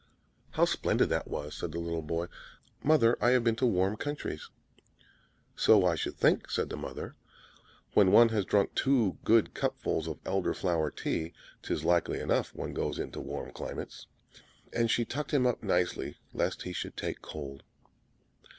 "How splendid that was!" said the little boy. "Mother, I have been to warm countries." "So I should think," said his mother. "When one has drunk two good cupfuls of Elder flower tea, 'tis likely enough one goes into warm climates"; and she tucked him up nicely, least he should take cold.